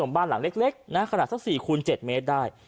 บ้านหลังเล็กนะฮะขณะซะสี่คูณเจ็ดเมตรได้